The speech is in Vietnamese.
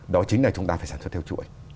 đó chính là chúng ta phải sản xuất theo chuỗi